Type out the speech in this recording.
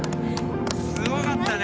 すごかったね。